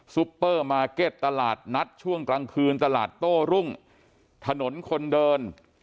ซุปเปอร์มาร์เก็ตตลาดนัดช่วงกลางคืนตลาดโต้รุ่งถนนคนเดิน